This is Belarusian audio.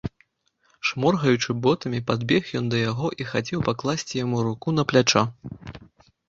Шморгаючы ботамі, падбег ён да яго і хацеў пакласці яму руку на плячо.